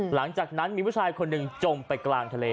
หลังจากนั้นมีผู้ชายคนหนึ่งจมไปกลางทะเล